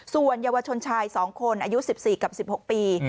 ส่วนเยาวชนชาย๒คนอายุ๑๔กับ๑๖ปี